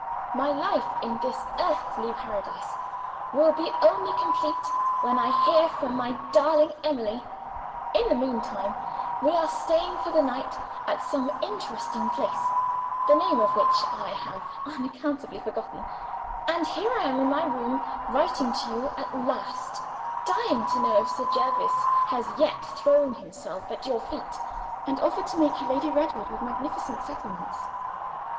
My life, in this earthly paradise, will be only complete when I hear from my darling Emily. "In the meantime, we are staying for the night at some interesting place, the name of which I have unaccountably forgotten; and here I am in my room, writing to you at last dying to know if Sir Jervis has yet thrown himself at your feet, and offered to make you Lady Redwood with magnificent settlements.